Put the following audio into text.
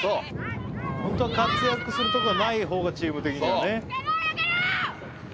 ホントは活躍するところがないほうがチーム的にはね。